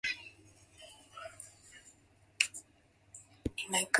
Breeding season is from August to December.